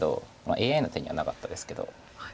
ＡＩの手にはなかったですけど。